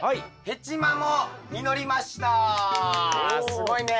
すごいね！